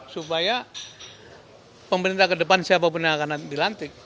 supaya pemerintah ke depan siapapun yang akan dilantik